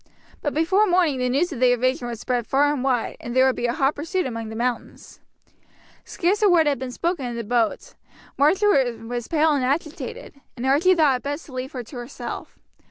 But before morning the news of the evasion would spread far and wide, and there would be a hot pursuit among the mountains. Scarce a word had been spoken in the boat. Marjory was pale and agitated, and Archie thought it best to leave her to herself.